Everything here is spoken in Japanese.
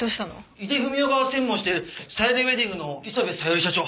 井出文雄が専務をしているさゆりウェディングの磯部小百合社長